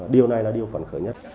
điều này là điều phản khởi nhất